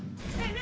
何？